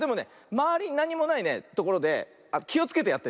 まわりになんにもないねところできをつけてやってね。